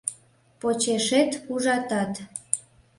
Почешет ужатат.